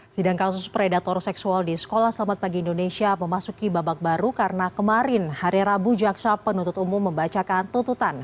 sidang kasus predator seksual di sekolah selamat pagi indonesia memasuki babak baru karena kemarin hari rabu jaksa penuntut umum membacakan tuntutan